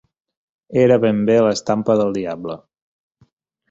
Era ben bé l'estampa del diable.